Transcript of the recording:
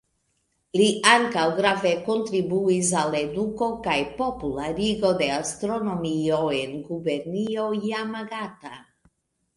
Li ankaŭ grave kontribuis al eduko kaj popularigo de astronomio en gubernio Jamagata.